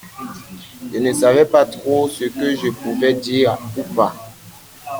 Je ne savais pas trop ce que je pouvais dire ou pas.